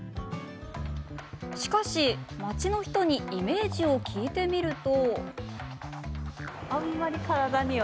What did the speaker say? しかし街の人にイメージを聞いてみると。